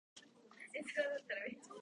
ごねたって何も出て来やしないよ